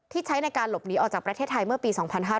ใช้ในการหลบหนีออกจากประเทศไทยเมื่อปี๒๕๕๙